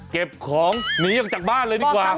เก็บของหนีออกจากบ้านเลยดีกว่า